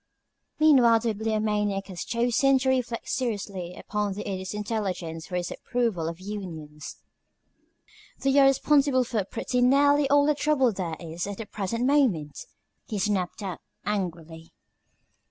Meanwhile the Bibliomaniac had chosen to reflect seriously upon the Idiot's intelligence for his approval of unions. "They are responsible for pretty nearly all the trouble there is at the present moment," he snapped out, angrily.